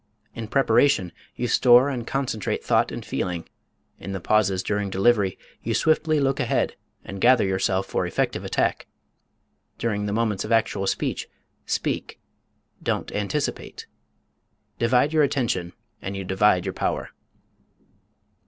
In preparation you store and concentrate thought and feeling; in the pauses during delivery you swiftly look ahead and gather yourself for effective attack; during the moments of actual speech, SPEAK DON'T ANTICIPATE. Divide your attention and you divide your power.